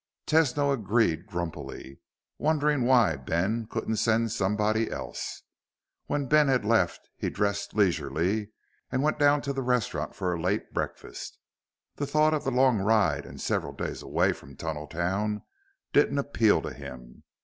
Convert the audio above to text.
Tesno agreed grumpily, wondering why Ben couldn't send somebody else. When Ben had left, he dressed leisurely and went down to the restaurant for a late breakfast. The thought of the long ride and several days away from Tunneltown didn't appeal to him.